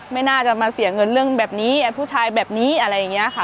ไม่น่าจะมาเสียเงินเรื่องแบบนี้ไอ้ผู้ชายแบบนี้อะไรอย่างนี้ค่ะ